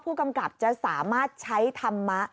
ผู้กำกับจะสามารถใช้ธรรมะ